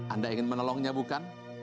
anda ingin menolongnya bukan